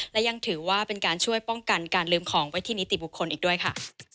และยังถือว่าเป็นการช่วยป้องกันการลืมของไว้ที่นิติบุคคลอีกด้วยค่ะ